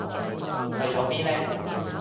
去咗邊呢？